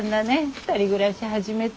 ２人暮らし始めて。